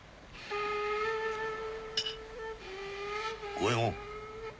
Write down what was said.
五右ェ門。